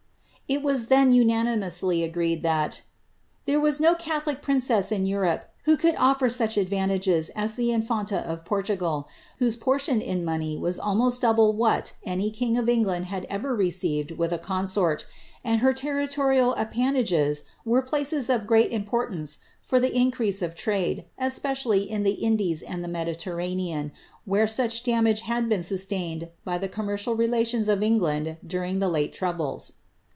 then unanimously agreed that ^ there was no catholic princess e who could offer such advantages as the infanta of Portugal, >rtion in money was almost double what any king of England ' received with a consort, and her territorial appanages were * great importance for the increase of trade, especially in the d the Mediterranean, where much damage had been sustained >mmercial relations of England during the late troubles."